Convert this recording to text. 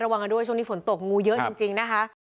วางกันด้วยช่วงนี้ฝนตกงูเยอะจริงนะคะ